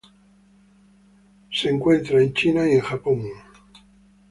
Se encuentra en China y Japón.